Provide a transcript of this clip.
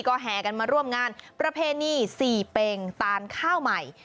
ก็แห่กันมาร่วมงานประเพณีสี่เป็งตานข้าวใหม่